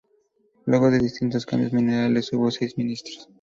Luego de distintos cambios ministeriales hubo seis ministros.